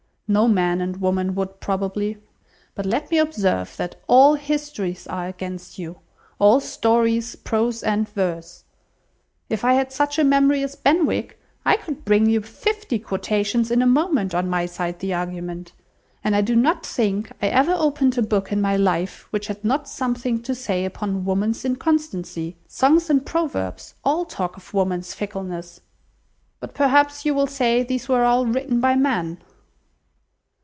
No man and woman, would, probably. But let me observe that all histories are against you—all stories, prose and verse. If I had such a memory as Benwick, I could bring you fifty quotations in a moment on my side the argument, and I do not think I ever opened a book in my life which had not something to say upon woman's inconstancy. Songs and proverbs, all talk of woman's fickleness. But perhaps you will say, these were all written by men."